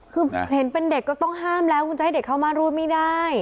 คือเห็นเป็นเด็กก็ต้องห้ามแล้วคุณจะให้เด็กเข้ามารูดไม่ได้